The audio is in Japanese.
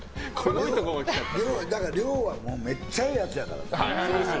亮はめっちゃええやつやから。